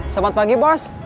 sempat pagi bos